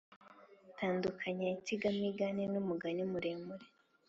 tandukanya insigamugani n’umugani muremure